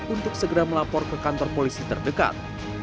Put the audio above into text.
untuk segera melapor ke kantor polisi terdekat